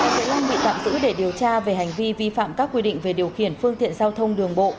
tài xế lâm bị tạm giữ để điều tra về hành vi vi phạm các quy định về điều khiển phương tiện giao thông đường bộ